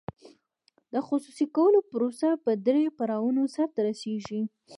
د خصوصي کولو پروسه په درې پړاوونو سر ته رسیږي.